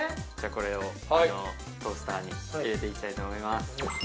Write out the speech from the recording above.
これをトースターに入れていきたいと思います